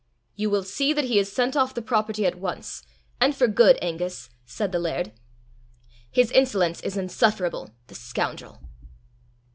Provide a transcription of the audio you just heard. "You will see that he is sent off the property at once and for good, Angus," said the laird. "His insolence is insufferable. The scoundrel!"